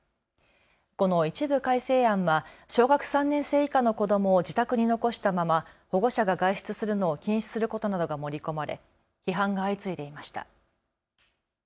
この一部改正案は小学３年生以下の子どもを自宅に残したまま保護者が外出するのを禁止することなどが盛り込まれ批判が相次いでいました。